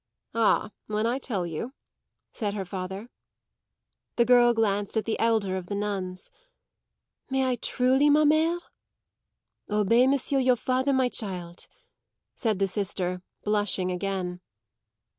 "Ah, when I tell you," said her father. The girl glanced at the elder of the nuns. "May I, truly, ma mère?" "Obey monsieur your father, my child," said the sister, blushing again.